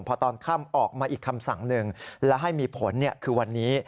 พอตอนค่ำออกมาอีกคำสั่งหนึ่งและให้มีผลคือวันนี้